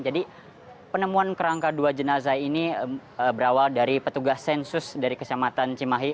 jadi penemuan kerangka dua jenazah ini berawal dari petugas sensus dari kesempatan cimahi